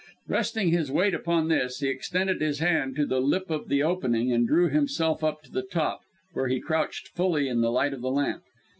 Resting his weight upon this, he extended his hand to the lip of the opening, and drew himself up to the top, where he crouched fully in the light of the lamp.